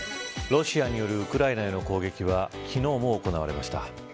ロシアによるウクライナへの攻撃は昨日も行われました。